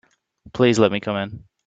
Please let me come in.